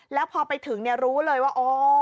แล้วพอไปถึงรู้เลยว่าอ๋อ